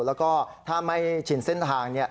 แล้วก็ถ้าไม่ชินเส้นทาง